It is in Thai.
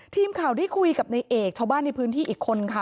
ทีมข่าวได้คุยกับในเอกชาวบ้านในพื้นที่อีกคนค่ะ